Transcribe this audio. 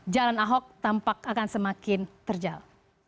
jalan ahok tampak akan semakin terjal